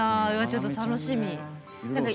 ちょっと楽しみ。